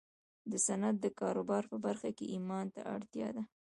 د صنعت د کاروبار په برخه کې ايمان ته اړتيا ده.